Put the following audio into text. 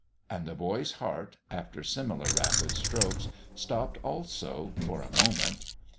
And the boy's heart, after similar rapid strokes, stopped also for a moment.